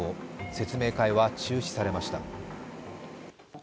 説明会は中止されました。